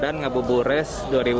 dan ngapu bures dua ribu dua puluh satu